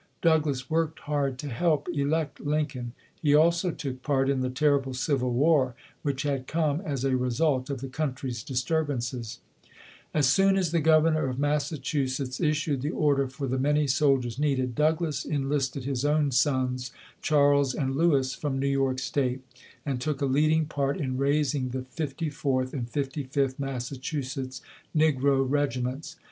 Douglass worked hard to help elect Lincoln. He also took part in the terrible Civil War, which had come as a result of the country's disturbances. 34 ] UNSUNG HEROES As soon as the Governor of Massachusetts is sued the order for the many soldiers needed, Douglass enlisted his own sons, Charles and Lewis, from New York State, and took a leading part in raising the Fifty fourth and Fifty fifth Massachusetts Negro Regiments.